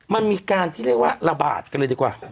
มันมีการที่เรียกว่าระบาดกันเลยดีกว่า